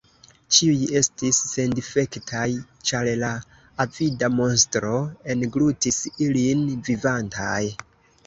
Ĉiuj estis sendifektaj, ĉar la avida monstro englutis ilin vivantaj.